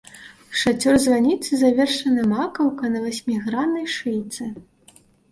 Шацёр званіцы завершаны макаўкай на васьміграннай шыйцы.